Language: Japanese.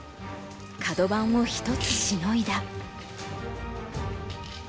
カド番を一つしのいだ。